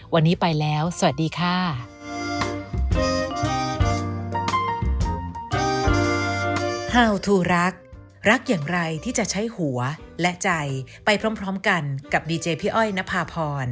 วันนี้ไปแล้วสวัสดีค่ะ